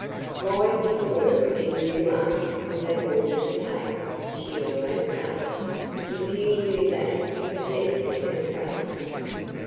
"Why in the world didn't you ask who had ordered the table?" she almost gasped. "If you knew that you could easily have traced it."